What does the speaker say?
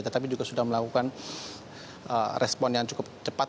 tetapi juga sudah melakukan respon yang cukup cepat